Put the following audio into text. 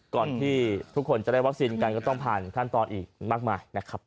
ก่อนที่ทุกคนจะได้วัคซีนกันก็ต้องผ่านขั้นตอนอีกมากมายนะครับ